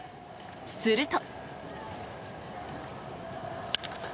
すると。